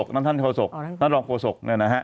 นั่นธนธนโรงโปสก